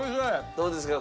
どうですか？